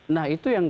nah itu yang